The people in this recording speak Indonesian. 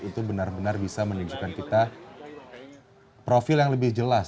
itu benar benar bisa menunjukkan kita profil yang lebih jelas